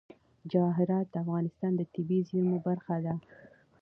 جواهرات د افغانستان د طبیعي زیرمو برخه ده.